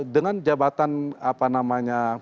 dengan jabatan apa namanya